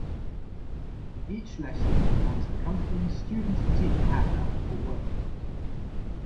Each lesson has accompanying student and teacher handouts or worksheets.